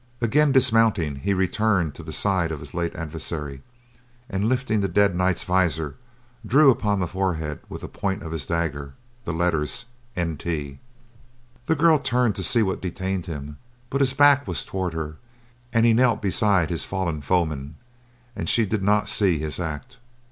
Again dismounting, he returned to the side of his late adversary, and lifting the dead knight's visor, drew upon the forehead with the point of his dagger the letters NT. The girl turned to see what detained him, but his back was toward her and he knelt beside his fallen foeman, and she did not see his act.